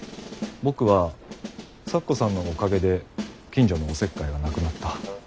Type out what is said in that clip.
僕は咲子さんのおかげで近所のお節介がなくなった。